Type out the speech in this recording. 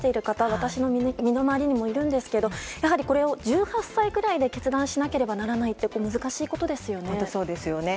私の身の回りにもいるんですけどやはり、これを１８歳くらいで決断しなくてはならないのは本当そうですよね。